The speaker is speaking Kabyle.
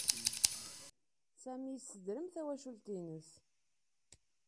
Sami yessedrem tawacult-nnes.